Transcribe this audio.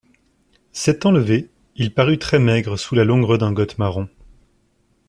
S'étant levé, il parut très maigre sous la longue redingote marron.